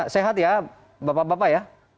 sehat ya bapak bapak ya